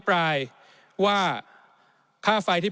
ในช่วงที่สุดในรอบ๑๖ปี